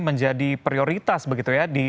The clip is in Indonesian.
menjadi prioritas begitu ya